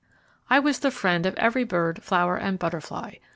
I was the friend of every bird, flower, and butterfly.